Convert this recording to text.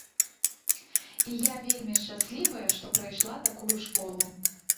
І я вельмі шчаслівая, што прайшла такую школу.